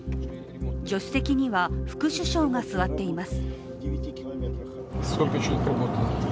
助手席には副首相が座っています。